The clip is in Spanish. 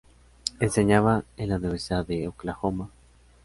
Enseñaba en la Universidad de Oklahoma.